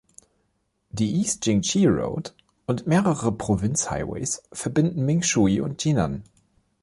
Die East Jingshi Road und mehrere Provinz-Highways verbinden Mingshui mit Jinan.